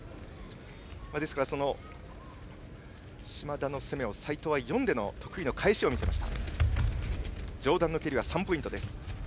ですから、嶋田の攻めを齊藤は読んでの得意の返しを見せました。